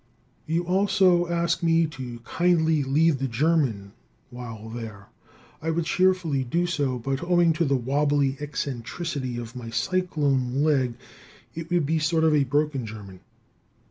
You also ask me to kindly lead the German while there. I would cheerfully do so, but owing to the wobbly eccentricity of my cyclone leg, it would be sort of a broken German.